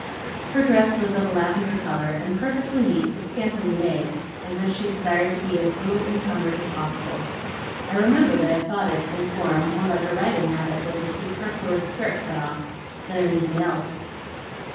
Her dress was of a lavender colour, and perfectly neat; but scantily made, as if she desired to be as little encumbered as possible. I remember that I thought it, in form, more like a riding habit with the superfluous skirt cut off, than anything else.